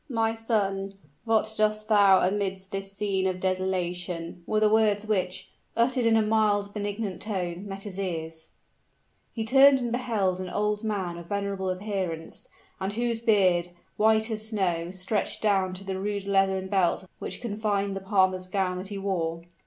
"My son, what dost thou amidst this scene of desolation?" were the words which, uttered in a mild benignant tone, met his ears. He turned and beheld an old man of venerable appearance, and whose beard, white as snow, stretched down to the rude leathern belt which confined the palmer's gown that he wore.